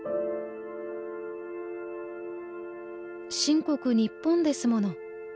「神国日本ですもの